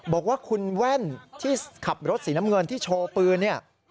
บอกว่าคุณแว่นที่ขับรถสีน้ำเงินที่โชว์ปืนเนี่ย